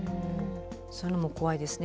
そういうのも怖いですね。